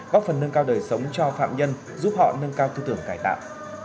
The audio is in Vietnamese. góp phần nâng cao đời sống cho phạm nhân giúp họ nâng cao tư tưởng cải tạo